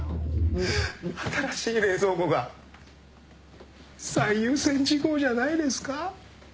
新しい冷蔵庫が最優先事項じゃないですか？